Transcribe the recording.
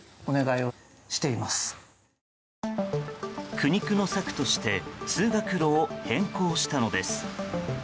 苦肉の策として通学路を変更したのです。